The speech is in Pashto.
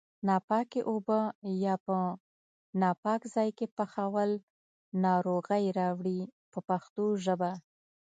ناپاکې اوبه یا په ناپاک ځای کې پخول ناروغۍ راوړي په پښتو ژبه.